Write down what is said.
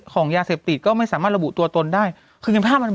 ภาพมันไม่ปรากฏว่ากินกัน